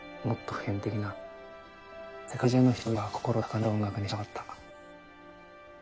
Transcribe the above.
もっと普遍的な世界中の人々が心高鳴る音楽にしたかった。